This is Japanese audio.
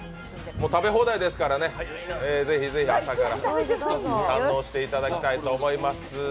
食べ放題ですから、朝から堪能していただきたいと思います。